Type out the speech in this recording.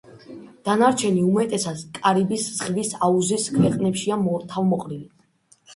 დანარჩენი უმეტესად კარიბის ზღვის აუზის ქვეყნებშია თავმოყრილი.